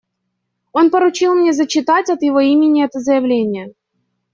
Он поручил мне зачитать от его имени это заявление.